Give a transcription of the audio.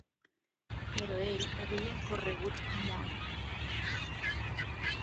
Però ell havia corregut món.